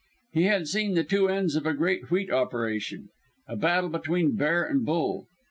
He had seen the two ends of a great wheat operation a battle between Bear and Bull.